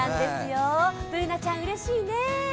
Ｂｏｏｎａちゃん、うれしいね。